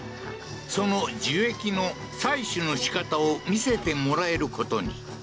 その樹液の採取の仕方を見せてもらえることに。